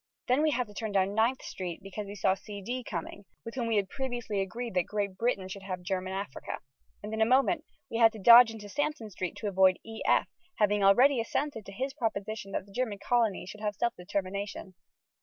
Then we had to turn down Ninth Street because we saw C.D. coming, with whom we had previously agreed that Great Britain should have German Africa. And in a moment we had to dodge into Sansom Street to avoid E.F., having already assented to his proposition that the German colonies should have self determination.